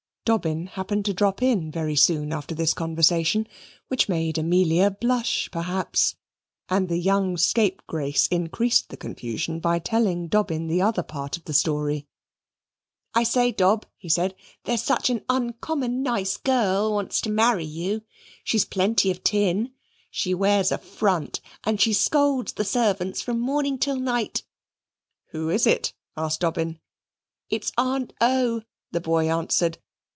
Dobbin happened to drop in very soon after this conversation, which made Amelia blush perhaps, and the young scapegrace increased the confusion by telling Dobbin the other part of the story. "I say, Dob," he said, "there's such an uncommon nice girl wants to marry you. She's plenty of tin; she wears a front; and she scolds the servants from morning till night." "Who is it?" asked Dobbin. "It's Aunt O.," the boy answered.